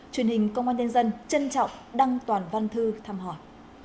truyền hình công an nhân dân trân trọng đăng toàn văn thư thăm hỏi